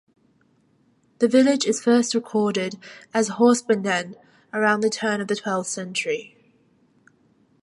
The village is first recorded as Horsbundenne around the turn of the twelfth century.